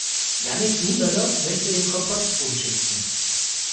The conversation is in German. Jannick Niemöller möchte den Kompost umschichten.